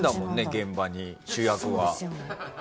現場に、主役が。